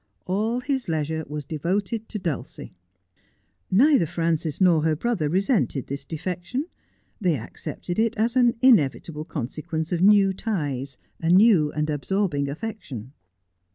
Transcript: All his leisure was devoted to Dulcie. Neither Frances nor her brother resented this defection. They accepted it as an inevitable consequence of new ties, a new and absorbing affection.